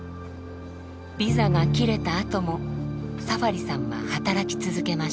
ビザが切れたあともサファリさんは働き続けました。